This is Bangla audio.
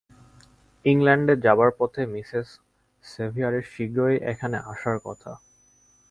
ইংলণ্ডে যাবার পথে মিসেস সেভিয়ারের শীঘ্রই এখানে আসার কথা।